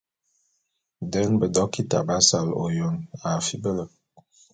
Den bedokita b'asal ôyôn a fibele.